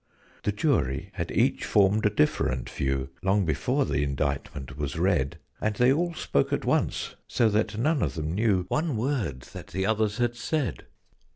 The Jury had each formed a different view (Long before the indictment was read), And they all spoke at once, so that none of them knew One word that the others had said.